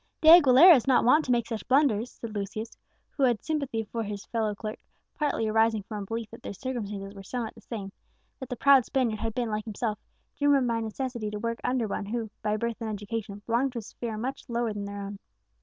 "De Aguilera is not wont to make such blunders," said Lucius, who had sympathy for his fellow clerk, partly arising from a belief that their circumstances were somewhat the same that the proud Spaniard had been, like himself, driven by necessity to work under one who, by birth and education, belonged to a sphere much lower than their own.